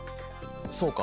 そうか！